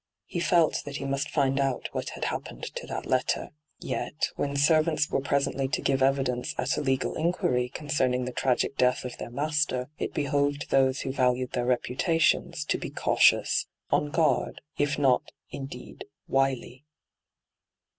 He felt that he must find out what had happened to that letter. Yet, when servants ENTRAPPED 47 were presently to give evidence at a legal inquiry concerning the tr^ic death of their master, it behoved those who valued their reputations to be cautious, on guard, if not, indeed, wily.